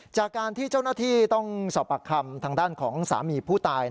จากการที่เจ้าหน้าที่ต้องสอบปากคำทางด้านของสามีผู้ตาย